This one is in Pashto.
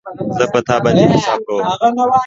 زه په تا باندی حساب کوم